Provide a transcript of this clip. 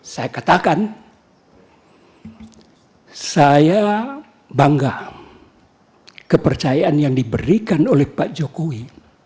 saya katakan saya bangga kepercayaan yang diberikan oleh pak jokowi